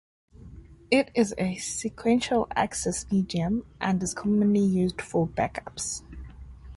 It is a sequential-access medium and is commonly used for backups.